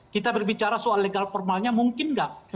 kita berbicara soal legal formalnya mungkin nggak